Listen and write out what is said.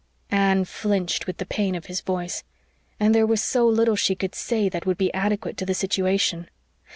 Anne flinched with the pain of his voice. And there was so little she could say that would be adequate to the situation.